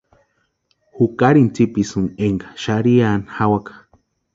Jukarini tsipisïnka énka xarhiani jawaka.